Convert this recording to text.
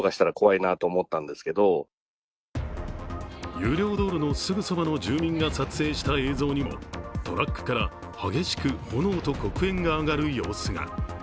有料道路のすぐそばの住民が撮影した映像にもトラックから激しく炎と黒煙が上がる様子が。